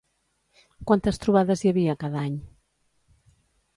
Quantes trobades hi havia cada any?